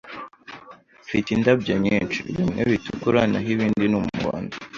Mfite indabyo nyinshi. Bimwe bitukura naho ibindi ni umuhondo.